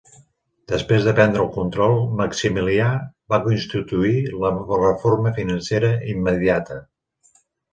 Després de prendre el control, Maximilià va instituir la reforma financera immediata.